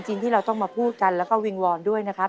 ที่เราต้องมาพูดกันแล้วก็วิงวอนด้วยนะครับ